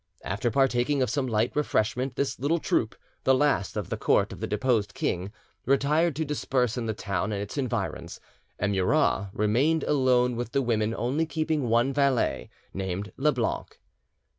After partaking of some light refreshment, this little troop, the last of the court of the deposed king, retired to disperse in the town and its environs, and Murat remained alone with the women, only keeping one valet named Leblanc.